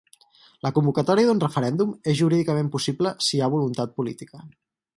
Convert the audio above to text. La convocatòria d’un referèndum és jurídicament possible si hi ha voluntat política.